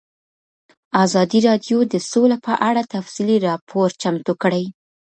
ازادي راډیو د سوله په اړه تفصیلي راپور چمتو کړی.